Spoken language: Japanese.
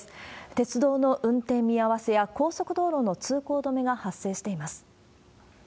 鉄道の運転見合わせや高速道路の通行止めが発生しています。